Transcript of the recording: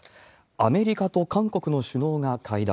アメリカと韓国の首脳が会談。